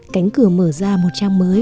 cánh cửa mở ra một trang mới